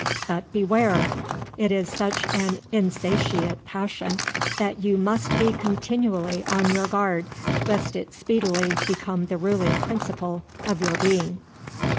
But, beware! it is such an insatiate passion that you must be continually on your guard lest it speedily become the ruling principle of your being.